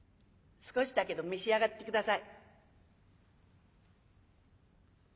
少しだけど召し上がって下さい」。